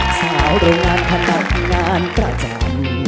สาวโรงงานผลิตงานประจำ